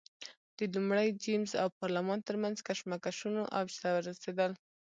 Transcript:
د لومړي جېمز او پارلمان ترمنځ کشمکشونه اوج ته ورسېدل.